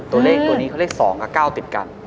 ตัวเลขตัวนี้เขาเลข๒กับ๙ติดกัน